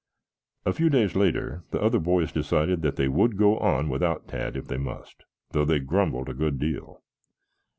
A few days later the other boys decided that they would go on without Tad if they must, though they grumbled a good deal.